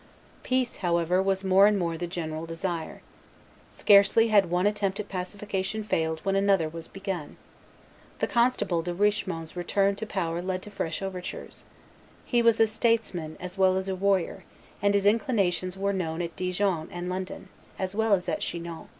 Peace, however, was more and more the general desire. Scarcely had one attempt at pacification failed when another was begun. The constable De Richemont's return to power led to fresh overtures. He was a states man as well as a warrior; and his inclinations were known at Dijon and London, as well as at Chinon.